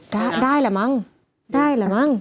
ได้แหละมั้งได้แหละมั้ง